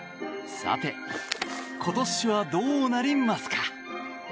さて、今年はどうなりますか。